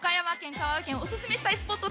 香川県おすすめしたいスポット